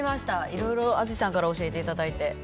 いろいろ淳さんから教えていただいて。